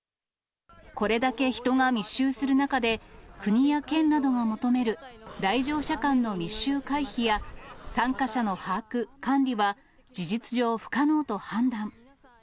これだけ人が密集する中で、国や県などの求める来場者間の密集回避や、参加者の把握・管理は、事実上不可能と判断。